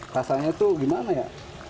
rasanya tuh gimana ya